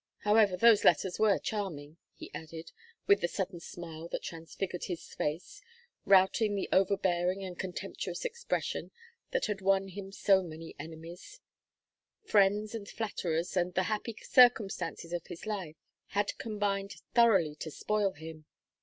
However those letters were charming," he added, with the sudden smile that transfigured his face, routing the overbearing and contemptuous expression that had won him so many enemies; friends and flatterers and the happy circumstances of his life had combined thoroughly to spoil him.